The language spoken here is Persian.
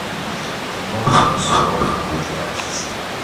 دیوار پر از سوراخ و گودی است.